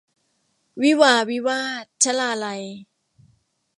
วิวาห์วิวาท - ชลาลัย